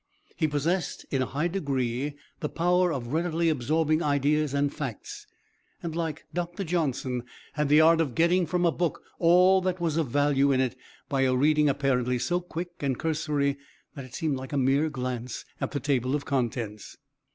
He possessed in a high degree the power of readily absorbing ideas and facts, and, like Dr. Johnson, had the art of getting from a book all that was of value in it by a reading apparently so quick and cursory that it seemed like a mere glance at the table of contents.